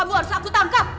kamu harus aku tangkap